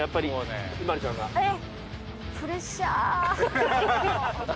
えっ！？